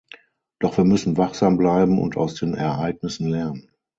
Doch wir müssen wachsam bleiben und aus den Ereignissen lernen.